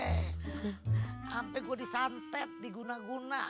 sampai gue disantet diguna guna